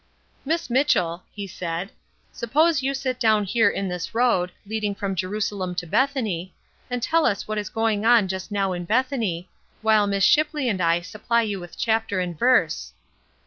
"Miss Mitchell," he said, "suppose you sit down here in this road, leading from Jerusalem to Bethany, and tell us what is going on just now in Bethany, while Miss Shipley and I supply you with chapter and verse."